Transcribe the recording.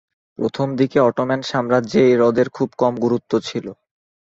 প্রথমদিকে অটোমান সাম্রাজ্যে এই হ্রদের খুব কম গুরুত্ব ছিল।